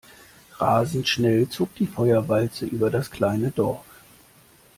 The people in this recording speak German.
Rasend schnell zog die Feuerwalze über das kleine Dorf.